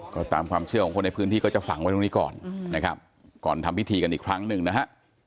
ก็ตามความเชื่อของคนในพื้นที่ก็จะฝังไว้ตรงนี้ก่อนนะครับก่อนทำพิธีกันอีกครั้งหนึ่งนะฮะ